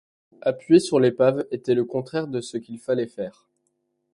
Appuyer sur l’épave était le contraire de ce qu’il fallait faire.